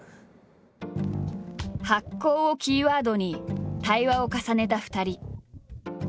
「発酵」をキーワードに対話を重ねた２人。